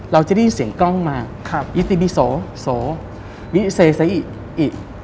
เราจะได้ยินเสียงกล้องมาอิติบิโสโสวิเซอิอิ